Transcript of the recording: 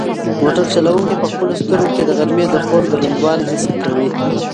موټر چلونکی په خپلو سترګو کې د غرمې د خوب دروندوالی حس کوي.